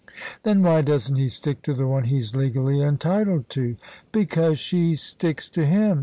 "Then why doesn't he stick to the one he's legally entitled to?" "Because she sticks to him.